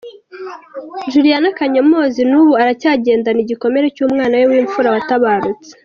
Juliana Kanyomozi nubu aracyagendana igikomere cy'umwana we w'imfura watabarutse.